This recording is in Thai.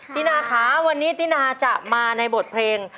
ตินาค่ะวันนี้ตินาจะมาในบทเพลง